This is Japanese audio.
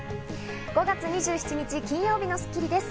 ５月２７日、金曜日の『スッキリ』です。